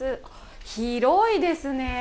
広いですね。